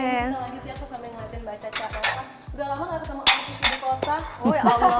setelah itu aku sampe ngeliatin baca catok lah udah lama gak ketemu kamu di ibu kota